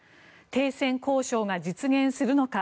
停戦交渉が実現するのか。